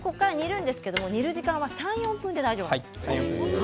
煮る時間も３、４分でいいです。